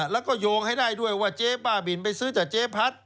แล้วก็โยงให้ได้ด้วยว่าเจ๊บ้าบินไปซื้อจากเจ๊พัด